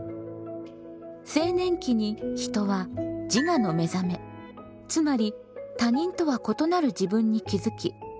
青年期に人は自我のめざめつまり他人とは異なる自分に気付き